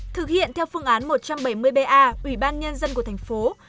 thực hiện theo phương án một trăm bảy mươi ba ủy ban nhân dân của thành phố